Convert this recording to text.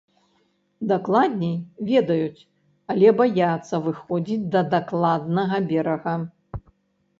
Дакладней, ведаюць, але баяцца выходзіць да дакладнага берага.